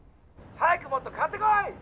☎早くもっと買ってこい！